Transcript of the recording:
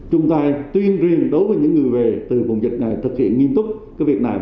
chúng ta tuyên truyền đối với những người về từ vùng dịch này thực hiện nghiêm túc cái việc này